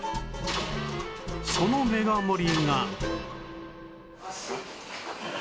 そのメガ盛りが